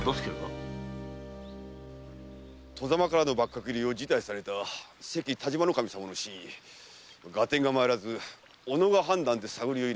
外様からの幕閣入りを辞退された関但馬守様の真意合点が参らずおのが判断で探りを入れました。